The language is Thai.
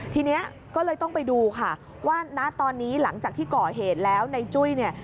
ทีนี้ก็เลยต้องไปดูค่ะว่าณตอนนี้หลังจากที่ก่อเหตุแล้วในจุ้ยเนี่ย